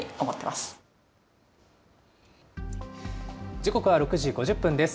時刻は６時５０分です。